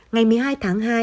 ngày một mươi hai tháng hai